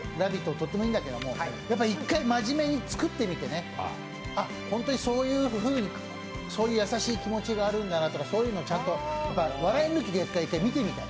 とってもいいんだけどやっぱり一回真面目に作ってみてね、あ、本当にそういう優しい気持ちがあるんだなとか、そういうのをちゃんと笑い抜きで一回見てみたい。